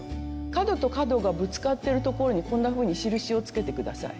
角と角がぶつかってるところにこんなふうに印をつけて下さい。